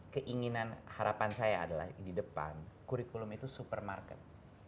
keinginan harapan saya adalah di depan kurikulum itu supermarket